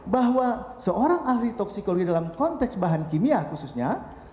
bahwa seorang ahli toksikologi dalam konteks bahan kimia khususnya